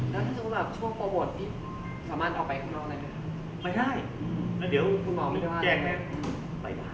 แล้วในช่วงโปรโมทสามารถเอาไปข้างนอกได้ไหมครับ